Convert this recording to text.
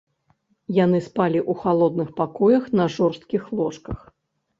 Яны спалі ў халодных пакоях на жорсткіх ложках.